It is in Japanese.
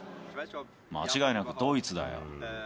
間違いなくドイツだよ。